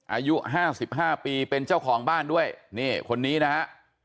อายุห้าสิบห้าปีเป็นเจ้าของบ้านด้วยเนี่ยคนนี้นะฮะ